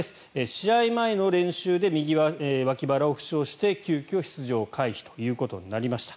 試合前の練習で右脇腹を負傷して急きょ、出場回避ということになりました。